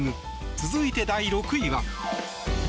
続いて、第６位は。